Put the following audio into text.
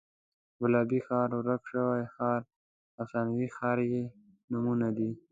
ګلابي ښار، ورک شوی ښار، افسانوي ښار یې نومونه دي.